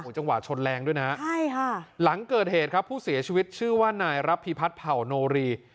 จังหวะชนแรงด้วยนะใช่ค่ะหลังเกิดเหตุครับผู้เสียชีวิตชื่อว่านายรับพิพัฒน์เผ่าโนรี